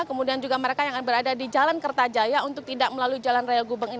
kemudian juga mereka yang berada di jalan kertajaya untuk tidak melalui jalan raya gubeng ini